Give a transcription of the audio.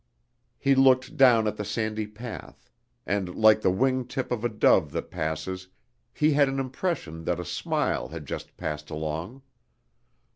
He looked down at the sandy path and, like the wingtip of a dove that passes, he had an impression that a smile had just passed along.